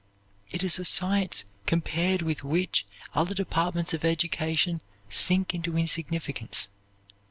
It is a science compared with which other departments of education sink into insignificance.